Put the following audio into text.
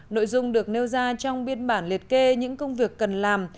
nội dung được nêu ra trong biên bản liệt kê những công việc cần làm